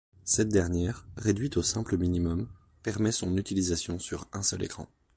Cette dernière, réduite au simple minimum, permet son utilisation sur un seul écran.